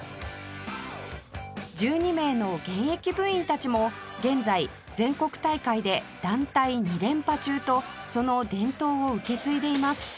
１２名の現役部員たちも現在全国大会で団体２連覇中とその伝統を受け継いでいます